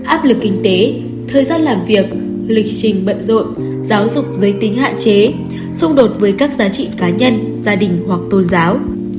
áp lực kinh tế thời gian làm việc lịch trình bận rộn giáo dục giới tính hạn chế xung đột với các giá trị cá nhân gia đình hoặc tôn giáo